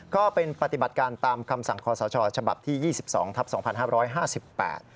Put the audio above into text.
ก็เป็นปฏิบัติการตามคำสั่งคชฉที่๒๒ทัพ๒๕๕๘